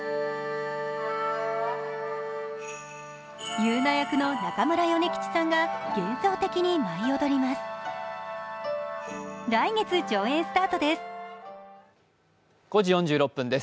ユウナ役の中村米吉さんが幻想的に舞い踊ります。